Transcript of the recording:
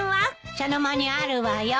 茶の間にあるわよ。